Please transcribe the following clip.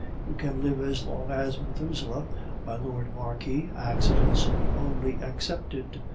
You can live as long as Methuselah, my Lord Marquis, accidents only excepted.